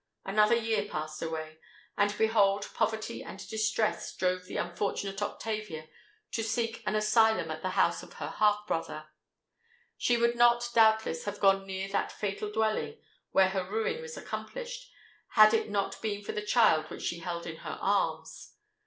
"Another year passed away; and behold, poverty and distress drove the unfortunate Octavia to seek an asylum at the house of her half brother. She would not, doubtless, have gone near that fatal dwelling where her ruin was accomplished, had it not been for the child which she held in her arms.